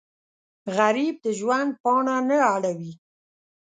غریب د ژوند پاڼه نه اړوي